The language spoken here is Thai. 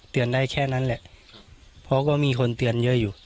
ได้แค่นั้นแหละเพราะก็มีคนเตือนเยอะอยู่